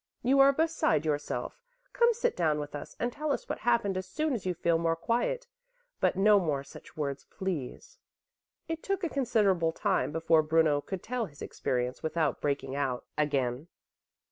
"You are beside yourself. Come sit down with us and tell us what happened as soon as you feel more quiet; but no more such words, please." It took a considerable time before Bruno could tell his experience without breaking out again.